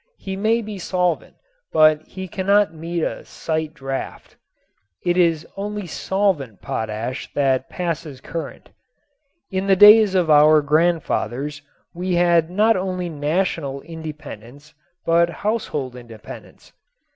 He may be solvent, but he cannot meet a sight draft. It is only solvent potash that passes current. In the days of our grandfathers we had not only national independence but household independence.